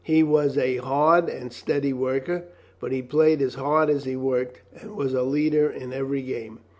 He was a hard and steady worker, but he played as hard as he worked, and was a leader in every game.